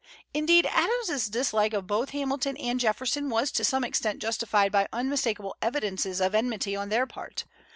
Indeed, Adams's dislike of both Hamilton and Jefferson was to some extent justified by unmistakable evidences of enmity on their part.